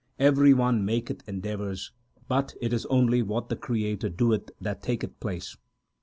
Every one maketh endeavours, but it is only what the Creator doeth that taketh place.